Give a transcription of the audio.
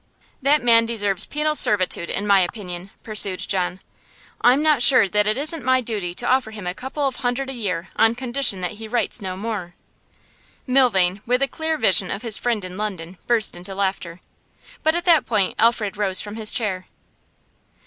'That man deserves penal servitude in my opinion,' pursued John. 'I'm not sure that it isn't my duty to offer him a couple of hundred a year on condition that he writes no more.' Milvain, with a clear vision of his friend in London, burst into laughter. But at that point Alfred rose from his chair.